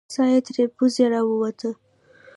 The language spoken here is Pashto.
ساه یې تر پزې راووته.